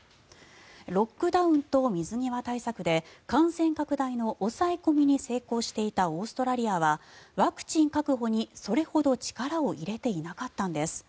ロックダウンと水際対策で感染拡大の抑え込みに成功していたオーストラリアはワクチン確保にそれほど力を入れていなかったんです。